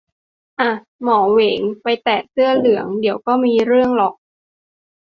อ่ะ หมอเหวงไปแตะเสื้อเหลือง เดี๋ยวก็มีเรื่องหรอก